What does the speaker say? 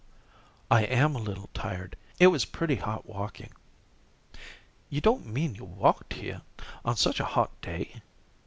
"I am a little tired. It was pretty hot walking." "You don't mean you walked here? and on such a hot day?"